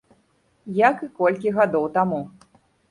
Як і колькі гадоў таму.